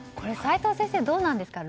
齋藤先生、どうなんですか？